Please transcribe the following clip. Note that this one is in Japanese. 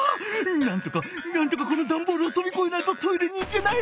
なんとかなんとかこのダンボールをとびこえないとトイレに行けない！